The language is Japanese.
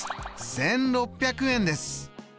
１６００円です。